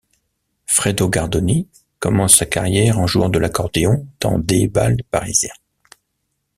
Frédo Gardoni commence sa carrière en jouant de l'accordéon dans des bals parisiens.